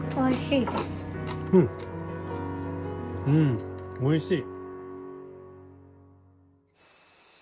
うんおいしい。